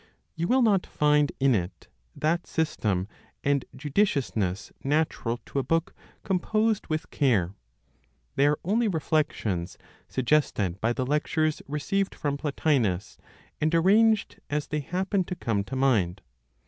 You will not find in it that system and judiciousness natural to a book composed with care; they are only reflections suggested by the lectures (received from Plotinos), and arranged as they happened to come to mind.